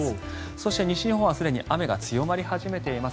そして、西日本はすでに雨が強まり始めています。